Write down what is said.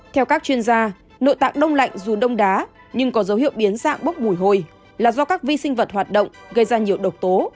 theo các chuyên gia nội tạng đông lạnh dù đông đá nhưng có dấu hiệu biến dạng bốc mùi hôi là do các vi sinh vật hoạt động gây ra nhiều độc tố